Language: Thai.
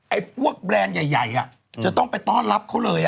ไอ้พวกแบรนด์ใหญ่จะต้องไปต้อนรับเขาเลย